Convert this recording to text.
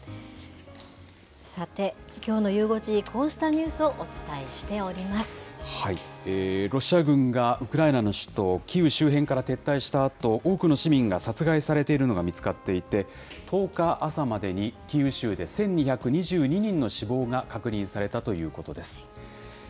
さて、きょうのゆう５時、こうしたニュースをお伝えしておりロシア軍がウクライナの首都キーウ周辺から撤退したあと、多くの市民が殺害されているのが見つかっていて、１０日朝までにキーウ州で１２２２人の死亡が確認されたということです。